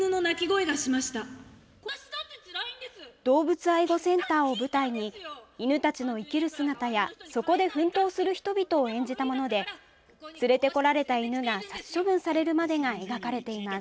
動物愛護センターを舞台に犬たちの生きる姿やそこで奮闘する人々を演じたもので連れてこられた犬が殺処分されるまでが描かれています。